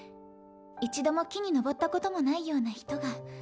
一度も木に登ったこともないような人が。